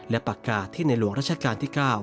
และปากกาศที่ในหลวงรัชกาลที่๙